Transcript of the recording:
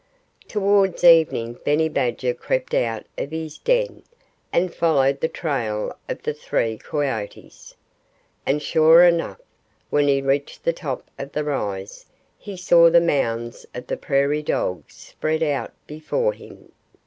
Towards evening Benny Badger crept out of his den and followed the trail of the three coyotes. And sure enough! when he reached the top of the rise he saw the mounds of the prairie dogs spread out before him.